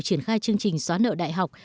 triển khai chương trình xóa nợ đại học